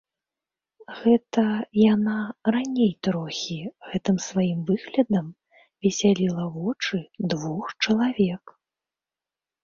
Гэта яна, раней трохі, гэтым сваім выглядам весяліла вочы двух чалавек.